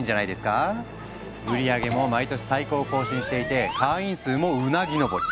売り上げも毎年最高を更新していて会員数もうなぎ登り。